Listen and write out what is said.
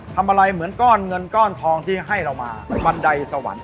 อะไรเหมือนก้อนเงินก้อนทองที่ให้เรามาบันไดสวรรค์